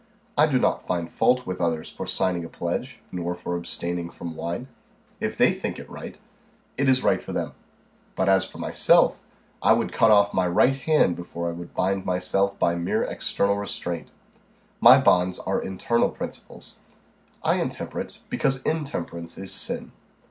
I do not find fault with others for signing a pledge, nor for abstaining from wine. If they think it right, it is right for them. But as for myself, I would cut off my right hand before I would bind myself by mere external restraint. My bonds are internal principles. I am temperate because intemperance is sin.